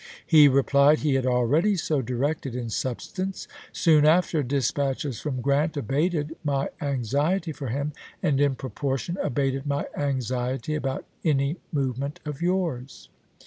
He replied he had already so directed in substance. Soon after, dispatches from Grant abated my anxiety for him, and in proportion abated my anxiety about any movement of yours.